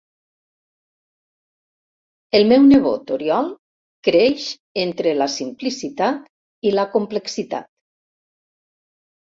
El meu nebot Oriol creix entre la simplicitat i la complexitat.